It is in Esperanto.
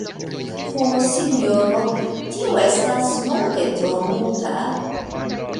Ho, sinjoro, tio estas multe tro multa.